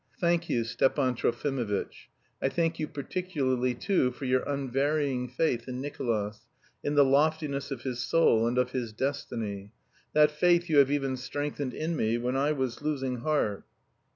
"Thank you, Stepan Trofimovitch. I thank you particularly too for your unvarying faith in Nicolas, in the loftiness of his soul and of his destiny. That faith you have even strengthened in me when I was losing heart."